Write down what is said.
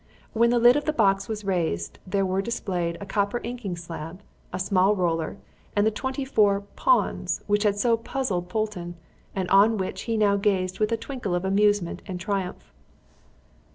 When the lid of the box was raised, there were displayed a copper inking slab, a small roller and the twenty four "pawns" which had so puzzled Polton, and on which he now gazed with a twinkle of amusement and triumph.